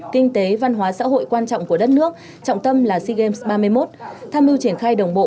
kinh tế văn hóa xã hội quan trọng của đất nước trọng tâm là sea games ba mươi một tham mưu triển khai đồng bộ